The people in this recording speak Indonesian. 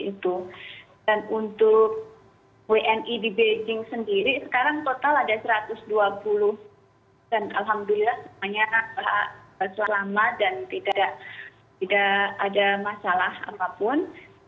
itu dan untuk wni di beijing sendiri sekarang total ada satu ratus dua puluh dan alhamdulillah semuanya selama dan tidak tidak ada masalah apapun